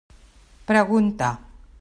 Pregunta.